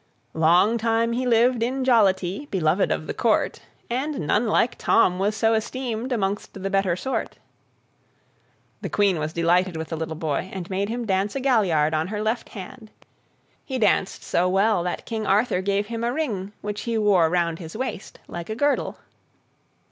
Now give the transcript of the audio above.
Long time he lived in jollity, Beloved of the Court, And none like Tom was so esteemed Amongst the better sort. The Queen was delighted with the little boy, and made him dance a gaillard on her left hand. He danced so well that King Arthur gave him a ring, which he wore round his waist like a girdle.